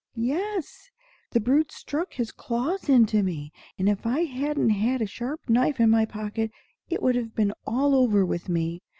"Yes, the brute stuck his claws into me, and if I hadn't had a sharp knife in my pocket, it would have been all over with me.